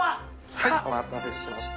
はいお待たせしました。